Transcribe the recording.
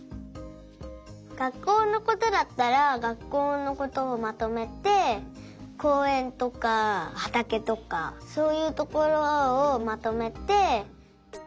学校のことだったら学校のことをまとめてこうえんとかはたけとかそういうところをまとめて。